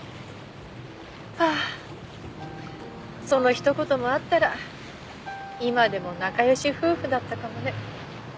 ああそのひと言もあったら今でも仲良し夫婦だったかもね。